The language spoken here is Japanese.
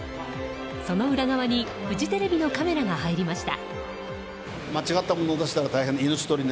その裏側にフジテレビのカメラが入りました。